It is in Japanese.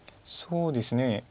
そうですね。